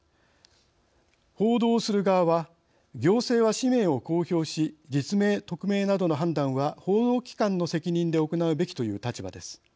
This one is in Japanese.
報道する側は行政は氏名を公表し実名・匿名などの判断は報道機関の責任で行うべきという立場です。